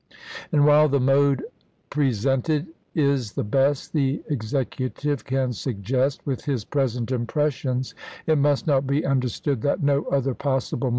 And while the mode presented is the best the Ex ecutive can suggest, with his present impressions, prociama it must not be understood that no other possible Dec.